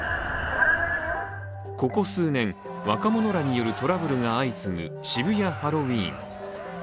ここ数年、若者らによるトラブルが相次ぐ渋谷ハロウィーン。